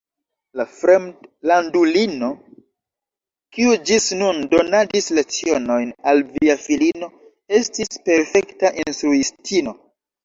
La fremdlandulino, kiu ĝis nun donadis lecionojn al via filino, estis perfekta instruistino.